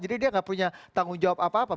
jadi dia gak punya tanggung jawab apa apa